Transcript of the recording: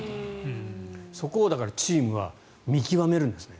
そこをだからチームは見極めるんですね。